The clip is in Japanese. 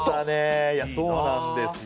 そうなんですよ。